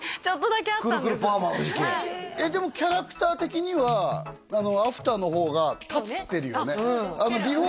くるくるパーマの時期はいでもキャラクター的にはアフターの方が立ってるよね